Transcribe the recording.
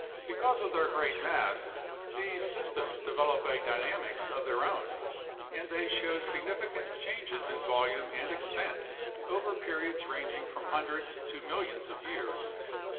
Because of their great mass, these systems develop a dynamics of their own, and they show significant changes in volume and extent over periods ranging from hundreds to millions of years.